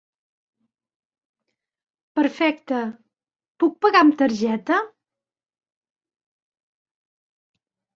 Perfecte, puc pagar amb targeta?